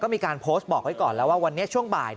มีการโพสต์บอกไว้ก่อนแล้วว่าวันนี้ช่วงบ่าย